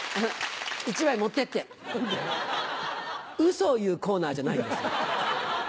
嘘を言うコーナーじゃないんです。